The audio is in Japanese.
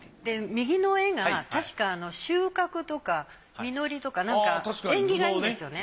右の絵がたしか収穫とか実りとかなんか縁起がいいんですよね。